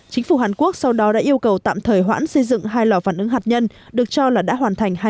chính phủ hàn quốc sau đó đã yêu cầu tạm thời hoãn xây dựng hai lò phản ứng hạt nhân được cho là đã hoàn thành hai mươi tám